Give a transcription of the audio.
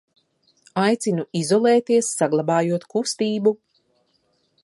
Aicinu izolēties, saglabājot k u s t ī b u !